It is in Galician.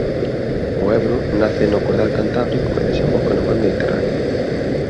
O Ebro nace no Cordal Cantábrico e desemboca no mar Mediterráneo.